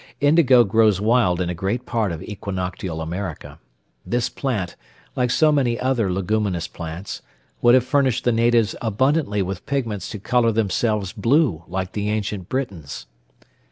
Indigo grows wild in a great part of equinoctial America. This plant, like so many other leguminous plants, would have furnished the natives abundantly with pigments to colour themselves blue like the ancient Britons.